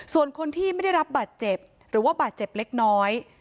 ส่วนคนที่ไม่ได้รับบาดเจ็บหรือว่าบาดเจ็บเล็กน้อย